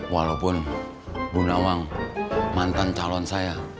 walaupun bu nawang mantan calon saya